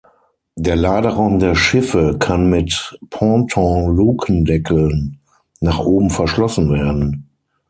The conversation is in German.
Der Laderaum der Schiffe kann mit Pontonlukendeckeln nach oben verschlossen werden.